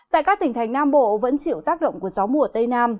tại các tỉnh thành nam bộ vẫn chịu tác động của gió mùa tây nam